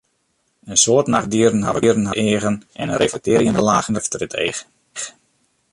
In soad nachtdieren hawwe grutte eagen en in reflektearjende laach efter yn it each.